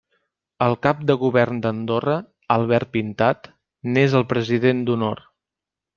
El Cap de Govern d'Andorra, Albert Pintat, n'és el President d'honor.